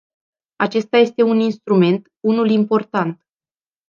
Acesta este un instrument, unul important.